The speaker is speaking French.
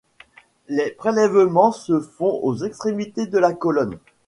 Les prélèvements se font aux extrémités de la colonne.